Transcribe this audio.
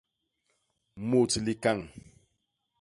Mut likañ.